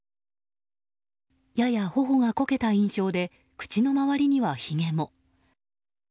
やや頬がこけた印象で口の周りにはひげも。